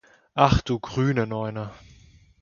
Ach du grüne Neune!